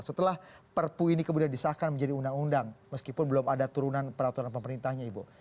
setelah perpu ini kemudian disahkan menjadi undang undang meskipun belum ada turunan peraturan pemerintahnya ibu